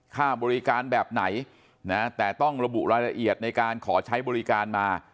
ค่าบริการแบบไหนนะแต่ต้องระบุรายละเอียดในการขอใช้บริการมา